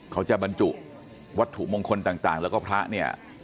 เขาจะบรรจุวัตถุมงคลต่างแล้วก็พระเนี่ย